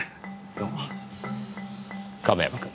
亀山君